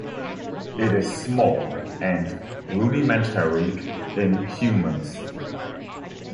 It is small and rudimentary in humans.